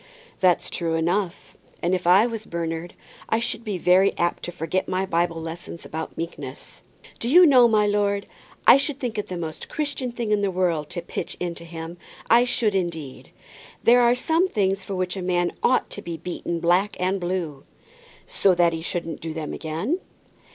"That's true enough; and if I was Bernard, I should be very apt to forget my Bible lessons about meekness." "Do you know, my lord, I should think it the most Christian thing in the world to pitch into him; I should, indeed. There are some things for which a man ought to be beaten black and blue." "So that he shouldn't do them again?"